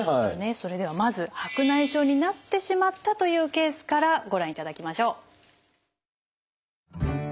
それではまず白内障になってしまったというケースからご覧いただきましょう。